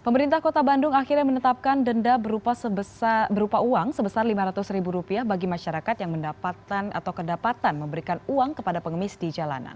pemerintah kota bandung akhirnya menetapkan denda berupa uang sebesar lima ratus ribu rupiah bagi masyarakat yang mendapatkan atau kedapatan memberikan uang kepada pengemis di jalanan